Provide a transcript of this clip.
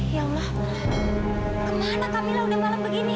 ya allah kemana kak mila udah malam begini